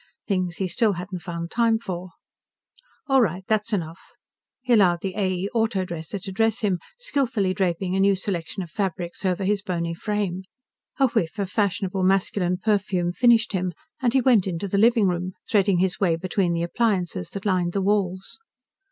Things he still hadn't found time for. "All right, that's enough." He allowed the A. E. Auto dresser to dress him, skillfully draping a new selection of fabrics over his bony frame. A whiff of fashionable masculine perfume finished him and he went into the living room, threading his way between the appliances that lined the walls.